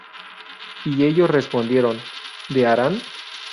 Y ellos respondieron: De Harán.